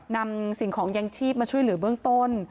นำสิ่งของยังชีพมาช่วยเหลือเบื้องต้น